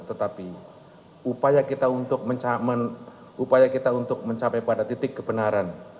tetapi upaya kita untuk mencapai pada titik kebenaran